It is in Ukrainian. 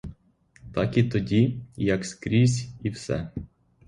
Так і тоді, як скрізь і все.